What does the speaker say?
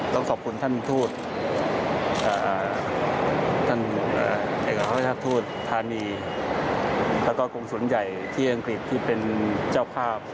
ต้องขอบคุณท่านทูตท่านเอกราชทูตธานีแล้วก็กรงศูนย์ใหญ่ที่อังกฤษที่เป็นเจ้าภาพ